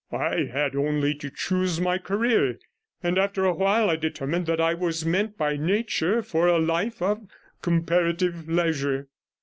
I had only to choose my career, and after a while I determined that I was meant by nature for a life of comparative leisure.